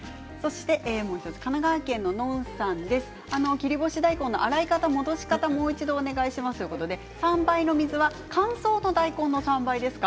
切り干し大根の洗い方戻し方をもう一度ということで３倍の水は乾燥の大根の３倍ですか？